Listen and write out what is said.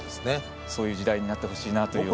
そういう時代になってほしいなと。